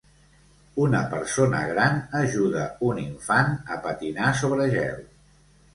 Una persona gran ajuda un infant a patinar sobre gel.